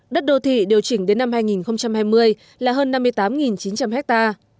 đất đô thị điều chỉnh đến năm hai nghìn hai mươi là hơn năm mươi tám chín trăm linh hectare